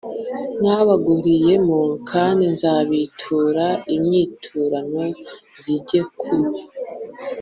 mwabaguriyemo kandi nzabitura inyiturano zijye ku